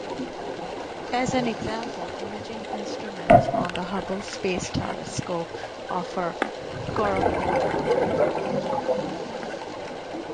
As an example, imaging instruments on the Hubble Space Telescope offer coronagraphic capability.